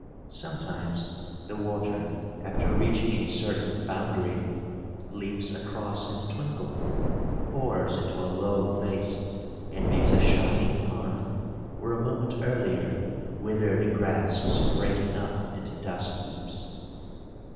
Sometimes the water, after reaching a certain boundary, leaps across in a twinkle, pours into a low place, and makes a shining pond where a moment earlier withered grass was breaking up into dust heaps.